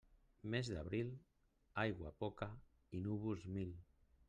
Mes d'abril, aigua poca i núvols mil.